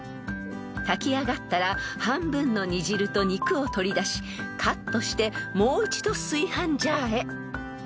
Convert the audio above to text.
［炊き上がったら半分の煮汁と肉を取り出しカットしてもう一度炊飯ジャーへ］